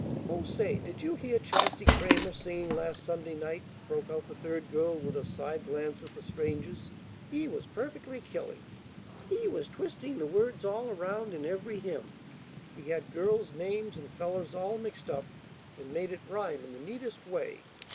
"Oh, say! Did you hear Chauncey Cramer singing last Sunday night?" broke out the third girl with a side glance at the strangers. "He was perfectly killing. He was twisting the words all around in every hymn. He had girls' names and fellers' all mixed up, and made it rhyme in the neatest way.